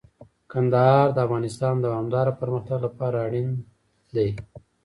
کندهار د افغانستان د دوامداره پرمختګ لپاره اړین دي.